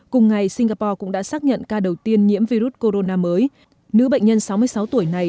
cùng ngày singapore cũng đã xác nhận ca đầu tiên nhiễm virus corona mới nữ bệnh nhân sáu mươi sáu tuổi này